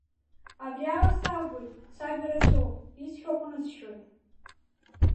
Абриала салгоит, сажәа рацәоуп, исҳәо ҟәнысшьоит!